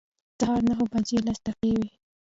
سهار نهه بجې لس دقیقې وې.